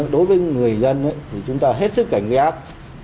đối với người dân thì chúng ta hết sức cảnh giác